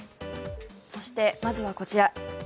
そして、まずはこちら。